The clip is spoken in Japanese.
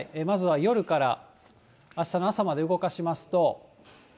まずは夜からあしたの朝まで動かしますと。